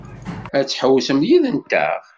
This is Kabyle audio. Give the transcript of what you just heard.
Ad tḥewwsemt yid-nteɣ?